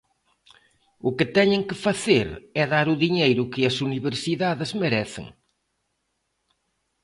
O que teñen que facer é dar o diñeiro que as universidades merecen.